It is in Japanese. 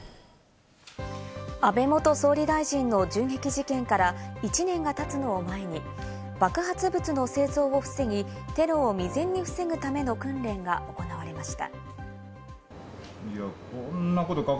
安倍元総理大臣の銃撃事件から１年が経つのを前に、爆発物の製造を防ぎ、テロを未然に防ぐための訓練が行われました。